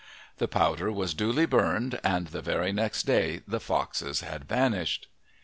The powder was duly burned, and the very next day the foxes had vanished.